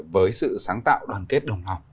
với sự sáng tạo đoàn kết đồng hòng